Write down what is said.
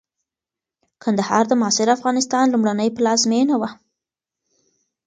کندهار د معاصر افغانستان لومړنۍ پلازمېنه وه.